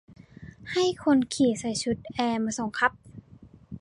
ให้คนขี่ใส่ชุดแอร์มาส่งครับ